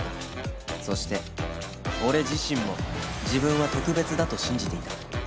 そして俺自身も自分は特別だと信じていた